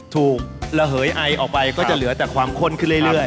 กระเหยไอออกไปก็จะเหลือแต่ความข้นขึ้นเรื่อย